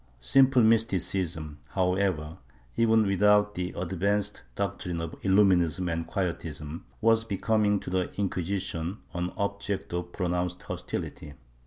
Simple mysticism, however, even without the advanced doc trines of Illuminism and Quietism, was becoming to the Inqui sition an object of pronounced hostility.